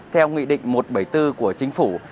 theo nghị định một trăm bảy mươi bốn của chính phủ